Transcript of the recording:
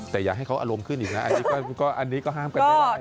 แต่อย่าให้เขาอารมณ์ขึ้นอีกนะอันนี้ก็ห้ามกันไม่ได้